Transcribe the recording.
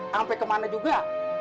sampai kemana juga